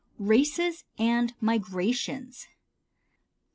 Races and Migrations.